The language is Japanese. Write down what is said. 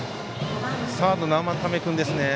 サード生田目君ですね。